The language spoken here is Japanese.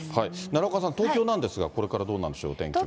奈良岡さん、東京なんですが、これからどうなんでしょう、お天